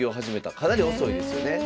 かなり遅いですよね。